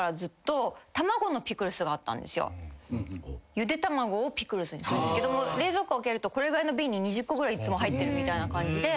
ゆで卵をピクルスにするんですけど冷蔵庫開けるとこれぐらいの瓶に２０個ぐらいいつも入ってるみたいな感じで。